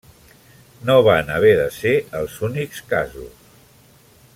No van haver de ser els únics casos.